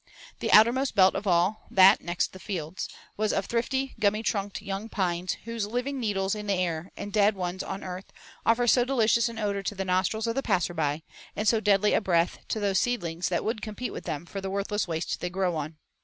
The outermost belt of all, that next the fields, was of thrifty, gummy trunked young pines whose living needles in air and dead ones on earth offer so delicious an odor to the nostrils of the passer by, and so deadly a breath to those seedlings that would compete with them for the worthless waste they grow on.